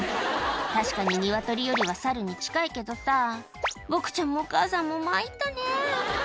確かにニワトリよりは猿に近いけどさボクちゃんもお母さんも参ったね